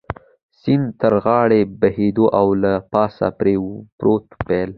سیند تر غاړې بهېده او له پاسه پرې پروت پل.